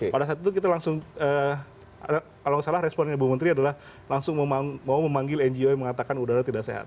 pada saat itu kita langsung kalau nggak salah responnya ibu menteri adalah langsung mau memanggil ngo yang mengatakan udara tidak sehat